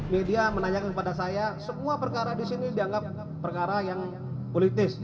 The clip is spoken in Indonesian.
media menanyakan kepada saya semua perkara di sini dianggap perkara yang politis